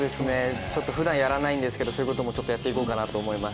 ふだんやらないんですけど、そういうこともやっていこうと思います。